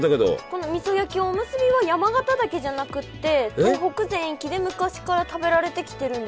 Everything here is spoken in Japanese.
このみそ焼きおむすびは山形だけじゃなくって東北全域で昔から食べられてきてるんです。